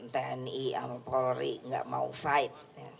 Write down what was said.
tni sama polri nggak mau fight